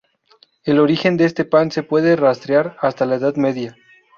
El origen de este pan se puede rastrear hasta la Edad Media.